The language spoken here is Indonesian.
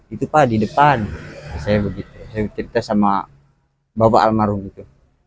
itu pak di depan saya begitu saya cerita sama bapak almarhum itu